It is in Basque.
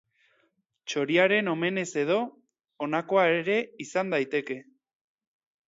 Txoriaren omenez-edo, honakoa ere izan daiteke.